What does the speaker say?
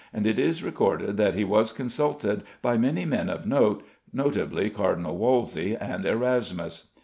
and it is recorded that he was consulted by many men of note, notably Cardinal Wolsey and Erasmus.